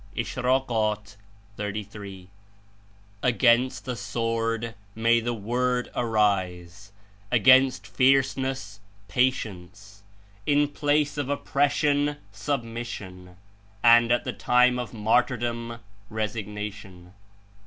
(Ish. jj.J "Against the sword may the Word arise; against 105 fierceness, patience; in place of oppression, sub mission, and at the time of martyrdom, resigna tion."